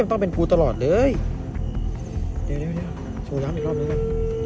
ต้องเป็นกูตลอดเลยเดี๋ยวโชว์น้ำอีกรอบนึงเลย